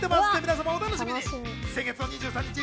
皆さん、お楽しみに。